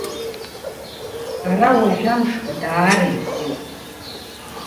Ара уажәы амшқәа даара ибзиоуп.